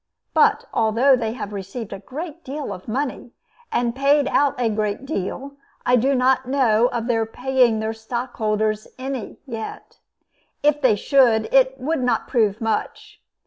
But although they have received a great deal of money, and paid out a great deal, I do not know of their paying their stockholders any yet. If they should, it would not prove much.